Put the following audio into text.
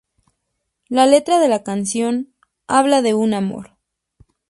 La letra de la canción habla de un amor.